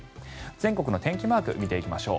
全国の天気マークを見ていきます。